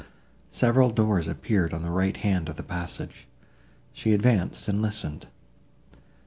Several doors appeared on the right hand of the passage. She advanced, and listened.